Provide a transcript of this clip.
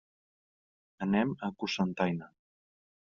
Anem a Cocentaina.